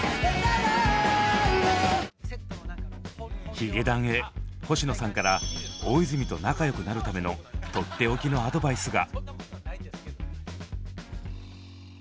ヒゲダンへ星野さんから大泉と仲よくなるためのとっておきのアドバイスが。